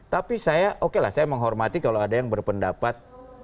tapi saya oke lah saya menghormati kalau ada yang berpendapat